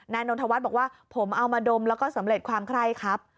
นนทวัฒน์บอกว่าผมเอามาดมแล้วก็สำเร็จความไคร่ครับ